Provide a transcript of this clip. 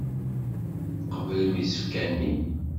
Tqeblem isefka-nni.